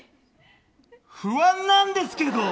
不安なんですけど！